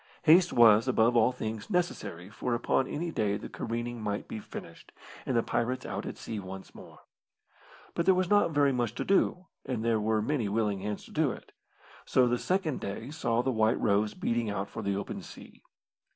Haste was, above all things, necessary, for upon any day the careening might be finished, and the pirates out at sea once more. But there was not very much to do, and there were many willing hands to do it, so the second day saw the White Rose beating out for the open sea.